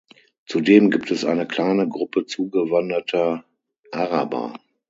Zudem gibt es eine kleine Gruppe zugewanderter Araber.